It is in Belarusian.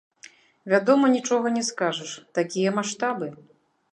Вядома, нічога не скажаш, такія маштабы!